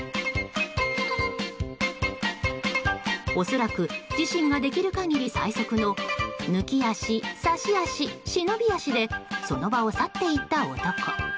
恐らく、自身ができる限り最速の抜き足、差し足、忍び足でその場を去っていった男。